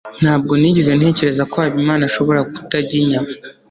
ntabwo nigeze ntekereza ko habimana ashobora kutarya inyama